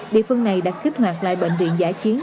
địa phương này đã kích hoạt lại bệnh viện giã chiến